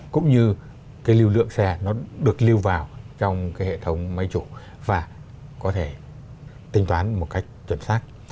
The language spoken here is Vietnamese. cũng như lưu lượng xe được lưu vào trong hệ thống máy chủ và tính toán một cách chuẩn xác